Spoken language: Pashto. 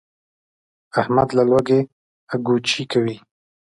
احمد له لوږې اګوچې کوي.